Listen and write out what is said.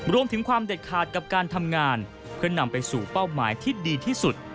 รวมถึงความเด็ดขาดกับการทำงานเพื่อนำไปสู่เป้าหมายที่ดีที่สุด